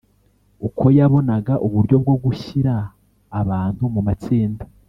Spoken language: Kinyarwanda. uko yabonaga uburyo bwo gushyira abantu mu matsinda